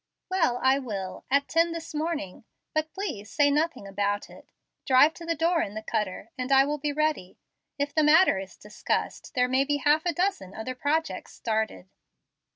"Well, I will, at ten this morning. But please say nothing about it. Drive to the door in the cutter, and I will be ready. If the matter is discussed, there may be half a dozen other projects started."